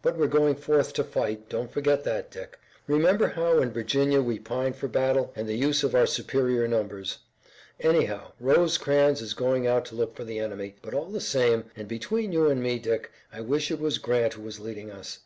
"But we're going forth to fight. Don't forget that, Dick. Remember how in Virginia we pined for battle, and the use of our superior numbers. Anyhow Rosecrans is going out to look for the enemy, but all the same, and between you and me, Dick, I wish it was Grant who was leading us.